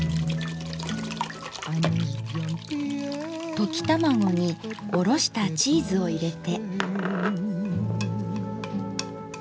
溶き卵におろしたチーズを入れて。